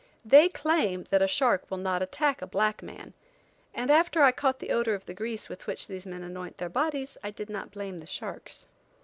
They claim that a shark will not attack a black man, and after I had caught the odor of the grease with which these men annoint their bodies, I did not blame the sharks.